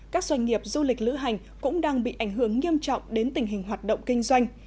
các doanh nghiệp du lịch lữ hành cũng đang bị ảnh hưởng nghiêm trọng đến tình hình hoạt động kinh doanh